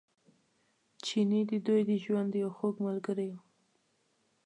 چیني د دوی د ژوند یو خوږ ملګری و.